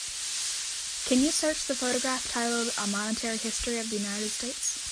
Can you search the photograph titled A Monetary History of the United States